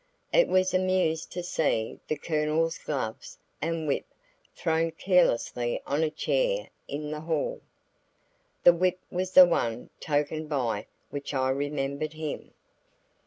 I was amused to see the Colonel's gloves and whip thrown carelessly on a chair in the hall. The whip was the one token by which I remembered him.